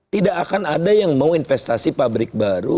tidak akan ada yang mau investasi pabrik baru